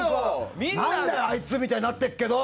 何だよ、あいつみたいになってっけど。